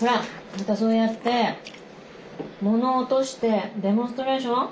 またそうやって物落としてデモンストレーション？